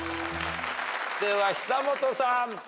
では久本さん。